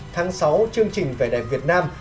tháng sáu chương trình về đại việt nam